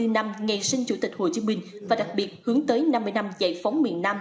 một trăm ba mươi bốn năm ngày sinh chủ tịch hồ chí minh và đặc biệt hướng tới năm mươi năm giải phóng miền nam